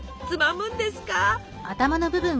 つまむんですか？